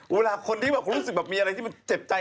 เวลาคนที่รู้สึกมีอะไรที่เจ็บใจ